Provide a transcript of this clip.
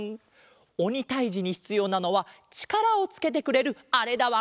おにたいじにひつようなのはちからをつけてくれるあれだわん。